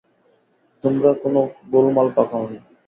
তোমরা কোনো গোলমাল পাকাওনি।